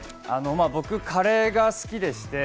僕、カレーが好きでして。